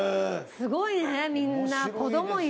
すごいねみんな。